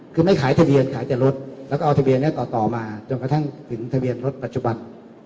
คือไม่ขายทะเบียนขายแต่รถแล้วก็เอาทะเบียนนี้ต่อมาจนกระทั่งถึงทะเบียนรถปัจจุบัน